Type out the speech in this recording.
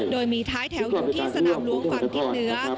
โดยมีท้ายแถวอยู่ที่สนามหลวงฝั่งทิศเหนือ